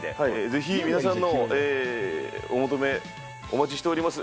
ぜひ、皆さんのお求め、お待ちしております。